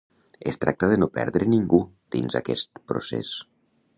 Es tracta de no perdre ningú dins aquest procés.